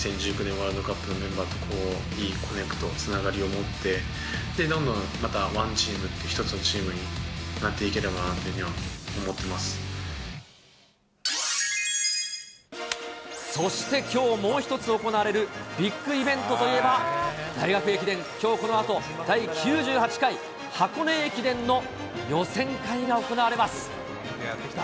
ワールドカップのメンバーと、いいコネクト、つながりを持って、どんどんまたワンチームって一つのチームになっていければなってそして、きょうもう一つ行われるビッグイベントといえば、大学駅伝、きょうこのあと第９８回箱根駅伝の予選会が行われます。